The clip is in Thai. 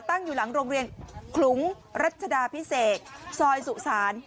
ตั้งอยู่หลังโรงเรียนขลุงรัชดาพิเศษซอยสุสาน